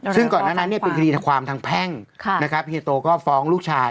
ซึ่งก่อนนั้นเป็นคดีความทางแพ่งนะครับเฮียโตก็ฟ้องลูกชาย